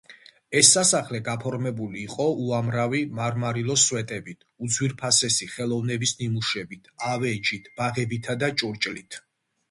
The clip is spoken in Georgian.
ეს სასახლე გაფორმებული იყო უამრავი მარმარილოს სვეტებით, უძვირფასესი ხელოვნების ნიმუშებით, ავეჯით, ბაღებითა და ჭურჭლით.